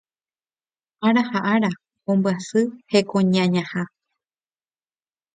ára ha ára ombyasy hekoñañaha